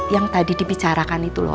yang tadi dibicarakan itu loh